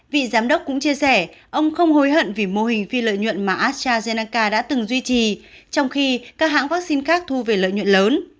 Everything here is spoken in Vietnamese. vị giám đốc cũng chia sẻ ông không hối hận vì mô hình phi lợi nhuận mà astrazeneca đã từng duy trì trong khi các hãng vaccine khác thu về lợi nhuận lớn